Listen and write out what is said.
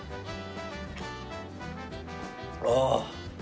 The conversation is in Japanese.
ああ！